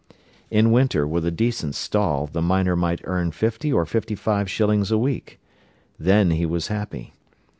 In winter, with a decent stall, the miner might earn fifty or fifty five shillings a week. Then he was happy.